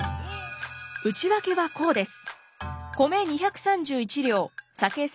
内訳はこうです。